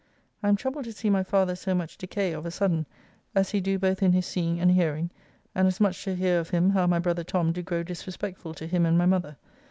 I am troubled to see my father so much decay of a suddain, as he do both in his seeing and hearing, and as much to hear of him how my brother Tom do grow disrespectful to him and my mother.